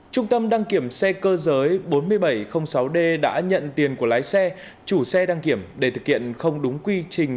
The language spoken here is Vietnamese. trung tâm đăng kiểm xe cơ giới bốn nghìn bảy trăm linh sáu d đã nhận tiền của lái xe chủ xe đăng kiểm để thực hiện không đúng quy trình